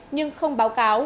nhưng không báo cáo